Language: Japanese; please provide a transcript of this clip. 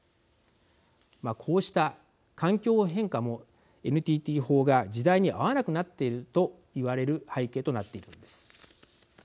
こうした環境変化もＮＴＴ法が時代に合わなくなっていると言われる背景となっているのです。